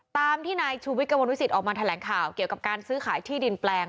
ตามที่นายชูวิทย์กระมวลวิสิตออกมาแถลงข่าวเกี่ยวกับการซื้อขายที่ดินแปลง